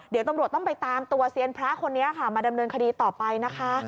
เดี๋ยวตำรวจต้องไปตามตัวเซียนพระคนนี้ค่ะมาดำเนินคดีต่อไปนะคะ